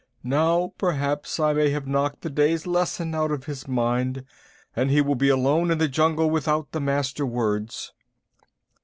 Now perhaps I may have knocked the day's lesson out of his mind, and he will be alone in the jungle without the Master Words."